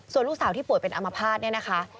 ส่วนลูกสาวที่ป่วยเป็นอัมพาตเนี่ยนะคะ